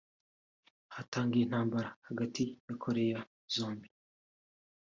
Hatangiye intambara hagati ya Korea zombi